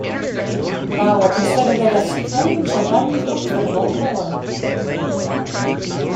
Bowra considered it "a strange and uncomfortable poem".